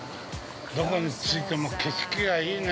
◆どこに着いても景色がいいね。